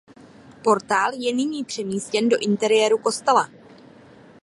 Portál je nyní přemístěn do interiéru kostela.